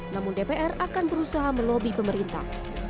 namun dpr akan berusaha melobi pemerintah